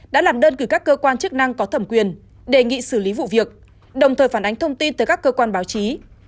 đã làm đơn cử các cơ quan chức năng có thẩm quyền đề nghị xử lý vụ việc đồng thời phản ánh thông tin tới các cơ quan báo chí